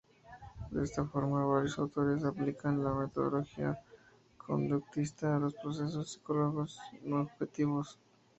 De esta forma, varios autores aplican la metodología conductista a los procesos psicológicos subjetivos.